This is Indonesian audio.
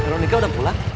veronika udah pulang